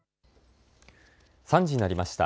３時になりました。